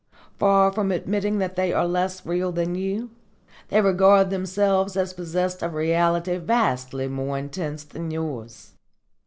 Far from admitting that they are less real than you, they regard themselves as possessed of reality vastly more intense than yours.